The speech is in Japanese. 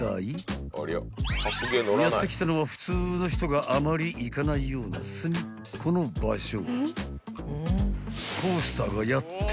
［やって来たのは普通の人があまり行かないような隅っこの場所］